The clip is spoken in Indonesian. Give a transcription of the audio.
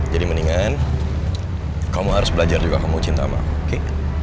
jadi mendingan kamu harus belajar juga kamu cinta sama aku oke